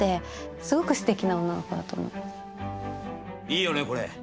いいよねこれ。